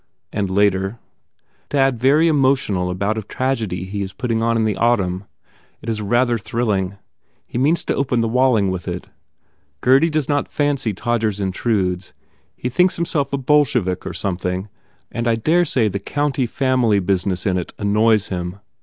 And later, "Dad very emo tionne about a tragedy he is putting on in the au tumn. It is rather thrilling. He means to open The Walling with it. Gurdy does not fancy Tod 171 THE FAIR REWARDS gers Intrudes/ He thinks himself a Bolshevik or something and I dare say the county family busi ness in it annoys him."